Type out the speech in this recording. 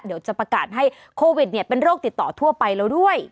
เดี๋ยวจะประกาศให้โควิดเป็นโรคติดต่อทั่วไปแล้วด้วย